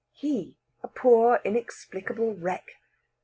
He, a poor inexplicable wreck!